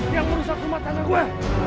yang merusak umat tanda gue